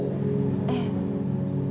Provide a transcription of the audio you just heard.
ええ。